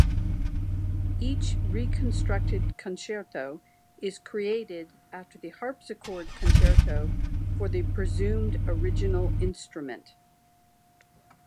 Each reconstructed concerto is created after the harpsichord concerto for the presumed original instrument.